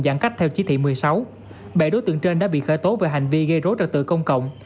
giãn cách theo chí thị một mươi sáu bảy đối tượng trên đã bị khởi tố về hành vi gây rối trật tự công cộng